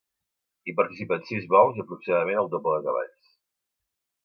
Hi participen sis bous i aproximadament el doble de cavalls.